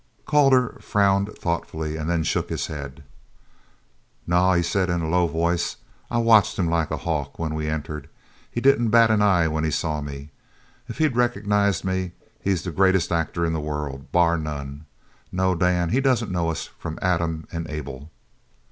Calder frowned thoughtfully and then shook his head. "No," he said in a low voice. "I watched him like a hawk when we entered. He didn't bat an eye when he saw me. If he recognized me he's the greatest actor in the world, bar none! No, Dan, he doesn't know us from Adam and Abel."